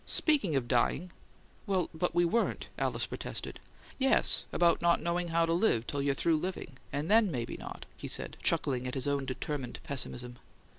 "Speaking of dying " "Well, but we weren't!" Alice protested. "Yes, about not knowing how to live till you're through living and THEN maybe not!" he said, chuckling at his own determined pessimism.